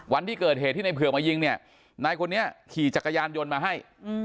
วันที่เกิดเหตุที่ในเผือกมายิงเนี่ยนายคนนี้ขี่จักรยานยนต์มาให้